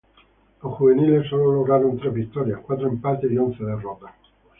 Los juveniles sólo lograron tres victorias, cuatro empates y once derrotas.